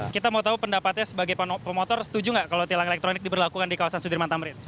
kita mau tahu pendapatnya sebagai pemotor setuju nggak kalau tilang elektronik diberlakukan di kawasan sudirman tamrin